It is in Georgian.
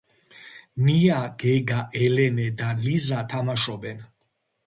ნია გეგა ელენე და ლიზა თამაშობენ